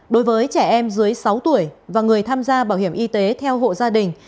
đối với trẻ em dưới sáu tuổi và người tham gia bảo hiểm y tế theo hộ gia đình